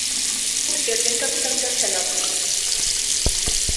Жерден тапсаң да, санап ал.